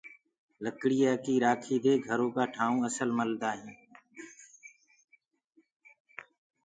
لڙيآ ڪي رآکي دي گھرو ڪآ ٺآئونٚ اسل ملدآ هينٚ۔